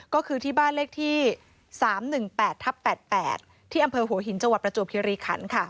ก็คือที่บ้านเลขที่สามหนึ่งแปดทับแปดแปดที่อำเภอหัวหินจังหวัดประจวบฮีรีขันต์ค่ะ